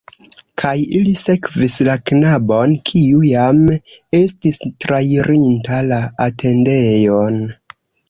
Kaj ili sekvis la knabon, kiu jam estis trairinta la atendejon.